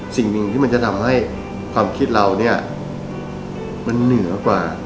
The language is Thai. สิ่งหนึ่งที่มันจะทำให้ความคิดเราเนี่ยมันเหนือกว่า